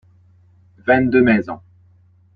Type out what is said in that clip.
Vingt-deux maisons.